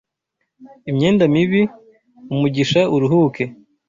Imyenda mibi; umugisha uruhuke